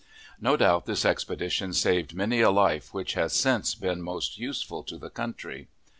No doubt this expedition saved many a life which has since been most useful to the country.